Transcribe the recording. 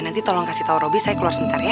nanti tolong kasih tau robi saya keluar sebentar ya